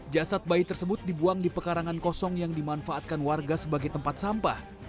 jasad bayi tersebut dibuang di pekarangan kosong yang dimanfaatkan warga sebagai tempat sampah